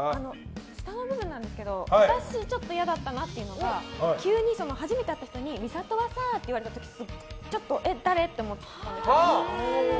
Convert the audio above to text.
下の部分なんですけど私、ちょっと嫌だったのは急に初めて会った人に美里はさって言われた時ちょっと、え、誰？って思ったんですけど。